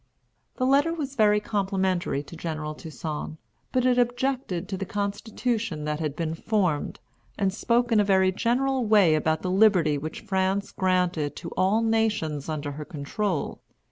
The letter was very complimentary to General Toussaint; but it objected to the constitution that had been formed, and spoke in a very general way about the liberty which France granted to all nations under her control.